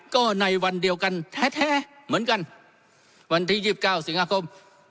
ก็ในวันเดียวกันแท้แท้เหมือนกันวันที่ยี่สิบเก้าสิบห้าคม